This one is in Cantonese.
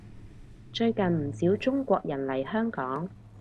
最近唔少中國人嚟香港